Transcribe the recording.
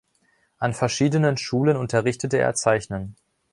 An verschiedenen Schulen unterrichtete er Zeichnen.